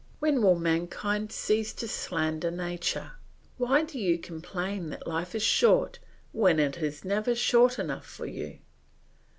When will mankind cease to slander nature? Why do you complain that life is short when it is never short enough for you?